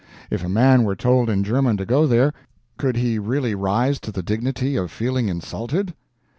If a man were told in German to go there, could he really rise to thee dignity of feeling insulted?